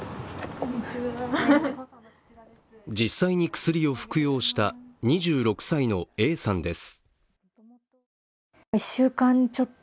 実際に薬を服用した２６歳のＡさんです。